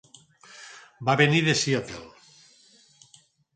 Va venir de Seattle.